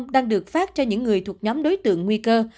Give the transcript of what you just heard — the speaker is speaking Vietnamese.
đang được phát cho những người thuộc nhóm đối tượng nguy cơ